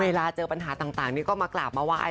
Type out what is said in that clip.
เวลาเจอปัญหาต่างนี่ก็มากราบมาไหว้